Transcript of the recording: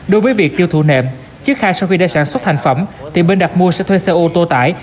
đối với việc tiêu thụ nệm trước khai sau khi đã sản xuất thành phẩm thì bên đặt mua sẽ thuê xe ô tô tải